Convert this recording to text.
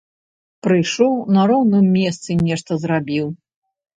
Прыйшоў, на роўным месцы нешта зрабіў.